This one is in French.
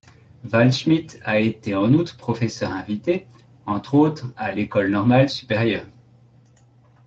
Waldschmidt a été en outre professeur invité, entre autres à l'École normale supérieure.